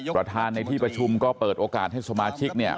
ประธานในที่ประชุมก็เปิดโอกาสให้สมาชิกเนี่ย